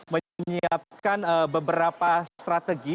menyiapkan beberapa strategi